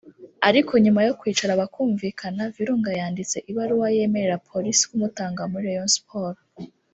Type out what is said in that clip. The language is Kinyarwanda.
ariko nyuma yo kwicara bakumvikana Virunga yanditse ibaruwa yemerera Police kumutanga muri Rayon Sports